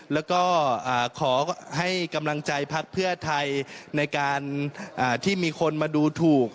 แล้วก็ขอให้กำลังใจพักเพื่อไทยในการที่มีคนมาดูถูก